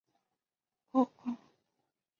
它是西半球最大的科学博物馆。